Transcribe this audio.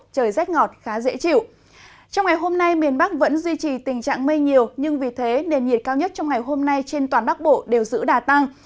trong ngày hôm nay miền bắc vẫn duy trì tình trạng mây nhiều nhưng vì thế nền nhiệt cao nhất trong ngày hôm nay trên toàn bắc bộ đều giữ đà tăng